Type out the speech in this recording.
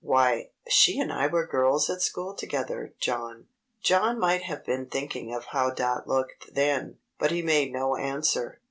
"Why, she and I were girls at school together, John." John might have been thinking of how Dot looked then, but he made no answer.